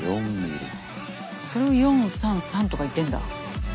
それを「４３３」とか言ってんだ。